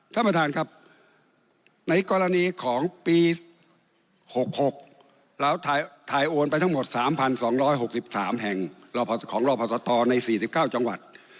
ท่านประธานครับในกรณีของปี๖๖เราถ่ายโอนไปทั้งหมด๓๒๖๓แห่งของรอพศตใน๔๙จังหวัด